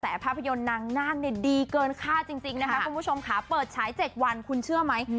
แต่ภาพยนตร์นางนาคเนี่ยดีเกินค่าจริงนะคะคุณผู้ชมค่ะเปิดฉาย๗วันคุณเชื่อไหม